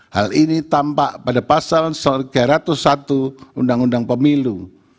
hal ini tampak pada pasal tiga ratus satu undang undang pemilu